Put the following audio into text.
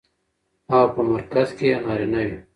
او په مرکز کې يې نارينه وي.